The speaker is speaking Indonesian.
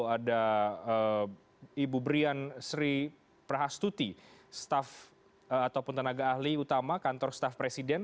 ada ibu brian sri prahastuti staff ataupun tenaga ahli utama kantor staff presiden